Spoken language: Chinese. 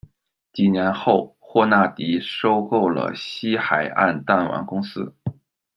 几年后，霍纳迪收购了西海岸弹丸公司。